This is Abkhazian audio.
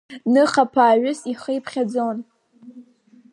Ныха-ԥааҩыс ихы иԥхьаӡон…